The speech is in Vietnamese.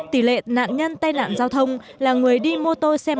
tỷ lệ nạn nhân tai nạn giao thông là người đi mô tô xe máy